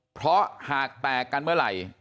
เพราะหากแตกกันเมื่อไหร่